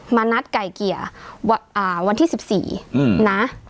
นัดไก่เกลี่ยวันที่๑๔นะ